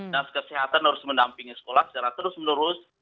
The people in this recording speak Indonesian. dan kesehatan harus mendampingi sekolah secara terus menerus